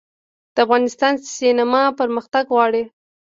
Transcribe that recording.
د افغانستان سینما پرمختګ غواړي